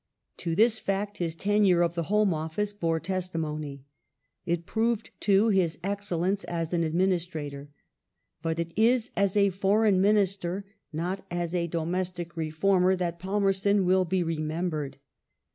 To this fact his tenure of the Home Office bore testimony. It proved, too, his excellence as an administrator. But it is as a Foreign Minister, not as a domestic reformer, that Palmerston will be remembered.